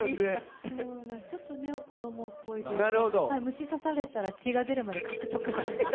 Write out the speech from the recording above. ちょっとね、子供っぽいとか、虫に刺されたら血が出るまでかくとか。